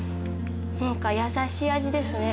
何か優しい味ですね。